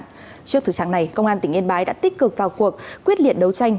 trước thử trạng này công an tỉnh yên bái đã tích cực vào cuộc quyết liệt đấu tranh